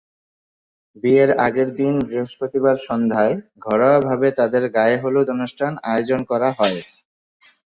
বিয়ের আগের দিন বৃহস্পতিবার সন্ধ্যায় ঘরোয়াভাবে তাঁদের গায়েহলুদ অনুষ্ঠান আয়োজন করা হয়।